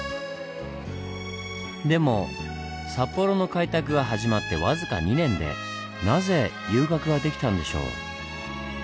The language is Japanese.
でも札幌の開拓が始まって僅か２年でなぜ遊郭ができたんでしょう？